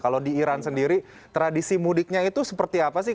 kalau di iran sendiri tradisi mudiknya itu seperti apa sih